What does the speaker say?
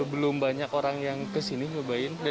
belum banyak orang yang kesini nyobain